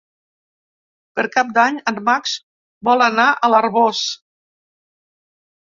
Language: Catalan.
Per Cap d'Any en Max vol anar a l'Arboç.